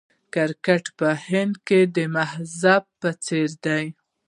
کرکټ په هند کې د مذهب په څیر دی.